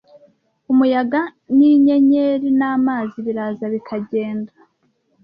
Umuyaga n'inyenyeri n'amazi biraza bikagenda